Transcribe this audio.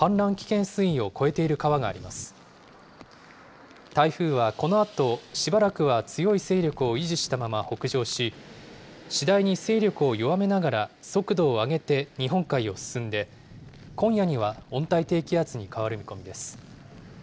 台風はこのあとしばらくは強い勢力を維持したまま北上し、次第に勢力を弱めながら、速度を上げて日本海を進んで、今夜には温帯低気圧に変わる見込みです。